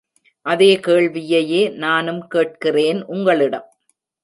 அதேகேள்வியையே நானும் கேட்கிறேன் உங்களிடம்.